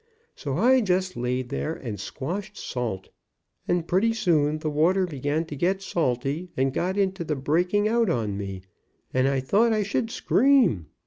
So I just laid there and squashed salt, and pretty soon the water be gan to get salty, and got into the breaking out on me, and I thought I should scream.